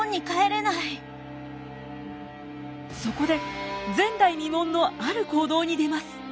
そこで前代未聞のある行動に出ます。